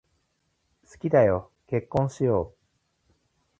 好きだよ、結婚しよう。